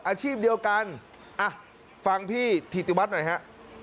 อาชีพเดียวกันอ่ะฟังพี่ถิติวัฒน์หน่อยฮะ